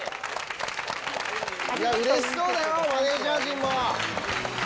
うれしそうだよ、マネージャー陣も。